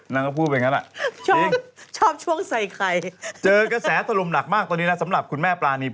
นางก็พูดแบบนั้น